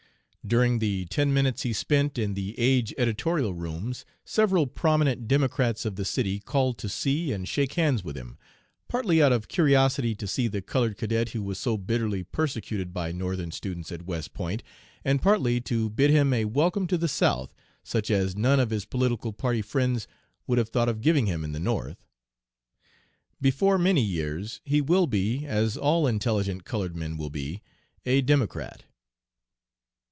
During the ten minutes he spent in the Age editorial rooms several prominent democrats of the city called to see and shake hands with him, partly out of curiosity to see the colored cadet who was so bitterly persecuted by Northern students at West Point, and partly to bid him a welcome to the South such as none of his political party friends would have thought of giving him in the North. Before many years he will be, as all intelligent colored men will be, a democrat."